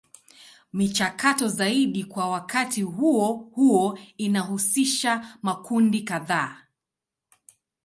Michakato zaidi kwa wakati huo huo inahusisha makundi kadhaa.